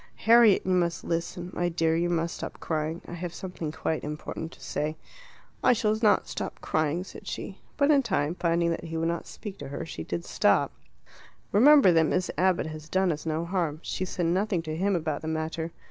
"Harriet, you must listen. My dear, you must stop crying. I have something quite important to say." "I shall not stop crying," said she. But in time, finding that he would not speak to her, she did stop. "Remember that Miss Abbott has done us no harm. She said nothing to him about the matter.